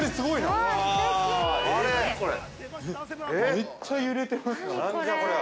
◆めっちゃ揺れてますよ。